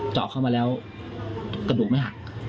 เจาะเข้ามาแล้วกระดูกไม่หัก